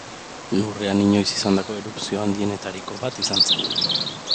Lurrean inoiz izandako erupzio handienetariko bat izan zen.